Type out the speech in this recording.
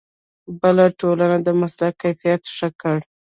بلې ټولنې د مسلک کیفیت ښه کړ.